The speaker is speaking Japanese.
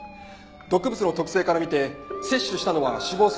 毒物の特性から見て摂取したのは死亡する１時間ほど前。